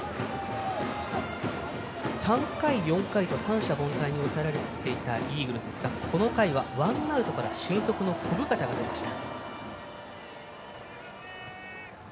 ３回、４回と三者凡退に抑えられていたイーグルスですがこの回はワンアウトから俊足の小深田が出ました。